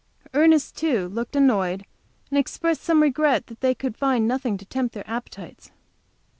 Ernest, too, looked annoyed, and expressed some regret that they could find nothing to tempt their appetites.